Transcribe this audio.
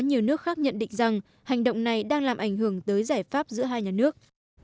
nhiều nước khác nhận định rằng hành động này đang làm ảnh hưởng tới giải pháp giữa hai nhà nước